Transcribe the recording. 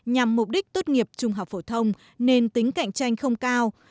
nhằm mục đích tốt nghiệp trung học phổ thông nên tính cạnh tranh không cao